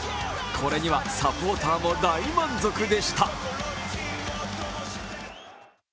これにはサポーターも大満足でした。